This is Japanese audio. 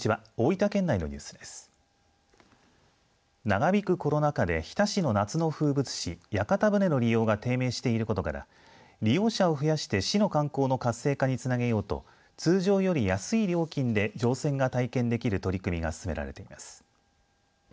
長引くコロナ禍で日田市の夏の風物詩、屋形船の利用が低迷していることから利用者を増やして市の観光の活性化につなげようと通常より安い料金で乗船が体験できる取り組みが進められています。